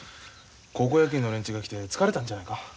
高校野球の連中が来て疲れたんじゃないか？